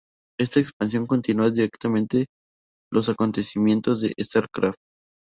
Esta expansión continúa directamente los acontecimientos de StarCraft.